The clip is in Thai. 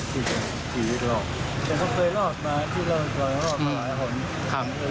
พี่เค้าเคยรอดมาพี่รอดมาหลายหรือ